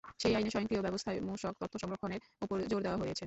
সেই আইনে স্বয়ংক্রিয় ব্যবস্থায় মূসক তথ্য সংরক্ষণের ওপর জোর দেওয়া হয়েছে।